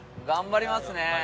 頑張りますね。